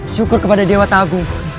syukur kepada dewa tagung